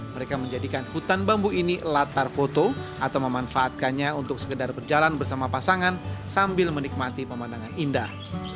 mereka menjadikan hutan bambu ini latar foto atau memanfaatkannya untuk sekedar berjalan bersama pasangan sambil menikmati pemandangan indah